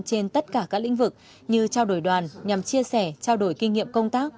trên tất cả các lĩnh vực như trao đổi đoàn nhằm chia sẻ trao đổi kinh nghiệm công tác